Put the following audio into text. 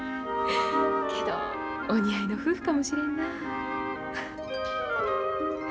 けどお似合いの夫婦かもしれんな。